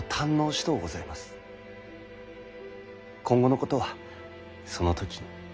今後のことはその時に。